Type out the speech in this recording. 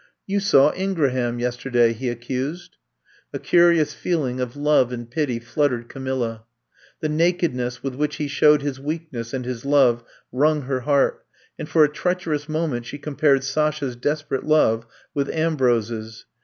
"You saw Ingraham yesterday," he ac cused. A curious feeling of love and pity flooded Camilla. The nakedness with which he showed his weakness and his love wrung her heart, and for a treacherous moment she compared Sasha 's desperate love with Ambrose 's.